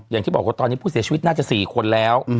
อย่างที่บอกว่าตอนนี้ผู้เสียชีวิตน่าจะ๔คนแล้ว